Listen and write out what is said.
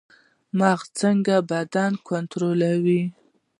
مغز څنګه بدن کنټرولوي؟